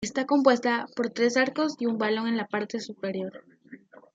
Está compuesta por tres arcos y un balcón en la parte superior.